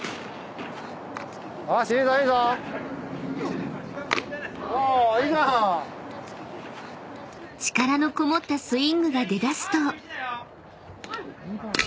「いいじゃん」［力のこもったスイングが出だすと］